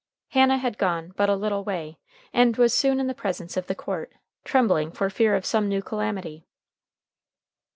Hannah had gone but a little way, and was soon in the presence of the court, trembling for fear of some new calamity.